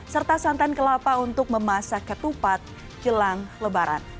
serta santan kelapa untuk memasak ketupat jelang lebaran